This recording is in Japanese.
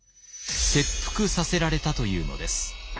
切腹させられたというのです。